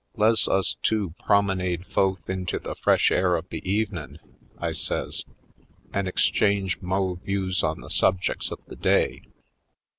Le's us two promenade fo'th into the fresh air of the evenin'," I says, "an' exchange mo' views on the subjec's of the day.